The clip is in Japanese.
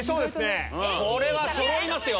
これはそろいますよ。